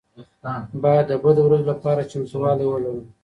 باید د بدو ورځو لپاره چمتووالی ولرو.